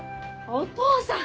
お父さん！